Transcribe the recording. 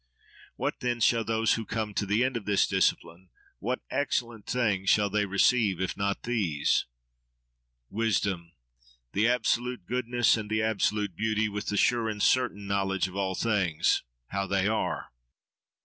—What, then, shall those who come to the end of this discipline—what excellent thing shall they receive, if not these? —Wisdom, the absolute goodness and the absolute beauty, with the sure and certain knowledge of all things—how they are.